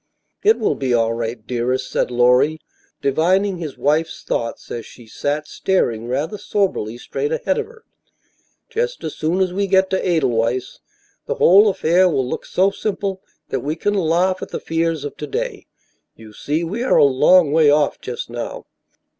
"It will be all right, dearest," said Lorry, divining his wife's thoughts as she sat staring rather soberly straight ahead of her, "Just as soon as we get to Edelweiss, the whole affair will look so simple that we can laugh at the fears of to day. You see, we are a long way off just now."